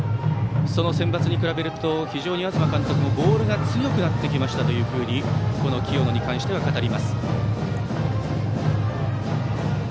そのセンバツに比べると非常に東監督もボールが強くなってきましたと清野に対して語ります。